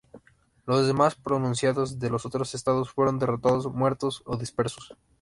Los demás pronunciados de los otros Estados fueron derrotados, muertos o dispersos.